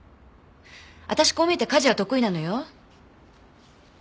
私こう見えて家事は得意なのよ。